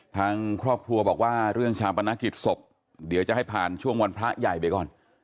ทางครอบครัวบอกว่าเรื่องชาปนกิจศพเดี๋ยวจะให้ผ่านช่วงวันพระใหญ่ไปก่อน